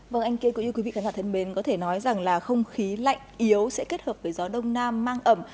vâng anh kêu quý vị khán giả thân mến có thể nói rằng là không khí lạnh yếu sẽ kết hợp với gió đông nam mang ẩm